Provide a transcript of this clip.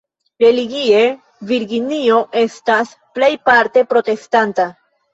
Religie, Virginio estas plejparte protestanta.